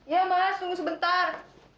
ya mas tunggu sebentar